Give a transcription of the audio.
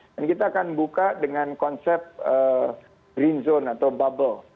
dan kita akan buka dengan konsep green zone atau bubble